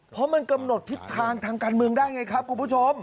เพราะมันกำหนดทิศทางทางการเมืองได้ไงครับคุณผู้ชม